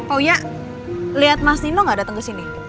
oh iya liat mas nino gak dateng kesini